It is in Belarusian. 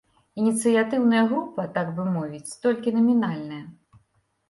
Ініцыятыўная група, так бы мовіць, толькі намінальная.